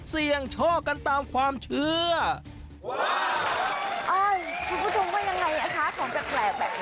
เสี่ยงโชคกันตามความเชื่อเอ้ยคุณผู้ชมว่ายังไงอ่ะคะของแปลกแปลกแบบนี้